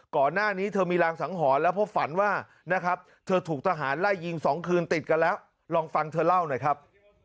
ก่อนหน้านี้เธอมีรางสังหรณ์แล้วเพราะฝันว่านะครับเธอถูกทหารไล่ยิง๒คืนติดกันแล้วลองฟังเธอเล่าหน่อยครับ